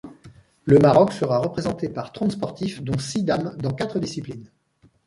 Le Maroc sera représenté par trente sportifs dont six dames dans quatre disciplines.